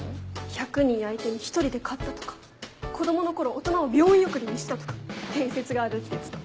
１００人相手に１人で勝ったとか子供の頃大人を病院送りにしたとか伝説があるって言ってた。